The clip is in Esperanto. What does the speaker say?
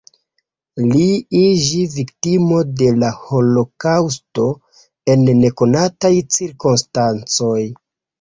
Li iĝi viktimo de la holokaŭsto en nekonataj cirkonstancoj.